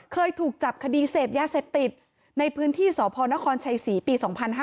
เคยถูกจับคดีเสพยาเสพติดในพื้นที่สพนครชัยศรีปี๒๕๕๙